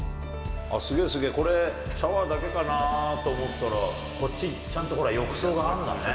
すげー、すげー、シャワーだけかなぁと思ったら、こっち、ちゃんと浴槽があるんだね。